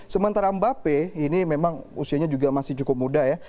sementara mbappe ini memang usianya juga masih cukup muda ya